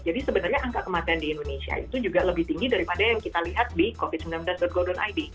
jadi sebenarnya angka kematian di indonesia itu juga lebih tinggi daripada yang kita lihat di covid sembilan belas gov id